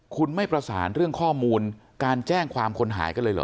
คุณไม่ประสานเรื่องข้อมูลการแจ้งความคนหายกันเลยเหรอ